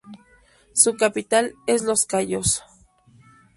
Su capital es Los Cayos.